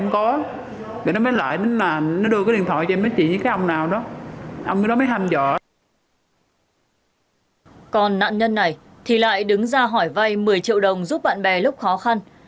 còn nạn nhân này thì lại đứng ra hỏi vay một mươi triệu đồng giúp bạn bè lúc khó khăn